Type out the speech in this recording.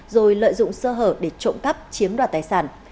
rồi lợi dụng sơ hở để trộm cắp chiếm đoạt tài sản